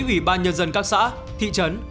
ủy ban nhân dân các xã thị trấn